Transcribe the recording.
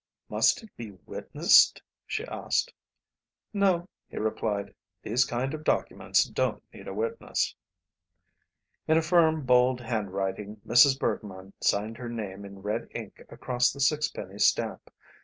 "Must it be witnessed?" she asked. "No," he replied, "these kind of documents don't need a witness." In a firm, bold handwriting Mrs. Bergmann signed her name in red ink across the sixpenny stamp.